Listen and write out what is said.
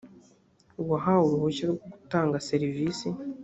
uwahawe uruhushya rwo gutanga serivisi